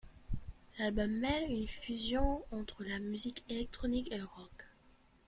L'album mêle une fusion entre la musique électronique et le rock.